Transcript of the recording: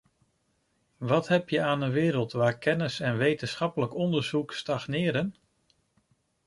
Wat heb je aan een wereld waar kennis en wetenschappelijk onderzoek stagneren?